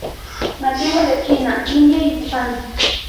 Nativo de China, India y Bután.